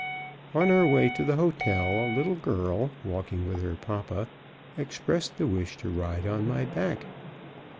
On our way to the hotel a little girl, walking with her papa, expressed the wish to ride on my back.